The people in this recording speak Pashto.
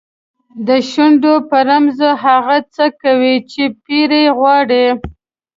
د شونډو په رموز هغه څه کوي چې پیر یې غواړي.